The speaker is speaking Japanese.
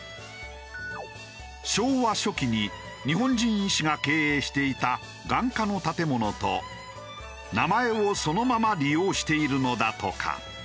昭和初期に日本人医師が経営していた眼科の建物と名前をそのまま利用しているのだとか。